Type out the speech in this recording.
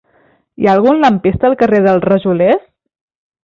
Hi ha algun lampista al carrer dels Rajolers?